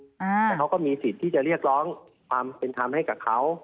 แต่เขาก็มีสิทธิ์ที่จะเรียกร้องความเป็นธรรมให้กับเขา